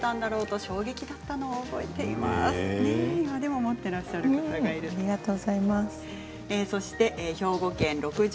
今でも持ってらっしゃる方がいると。